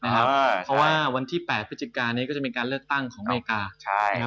เพราะว่าวันที่๘พฤจิการจะมีการเลือกตั้งของอเมริกา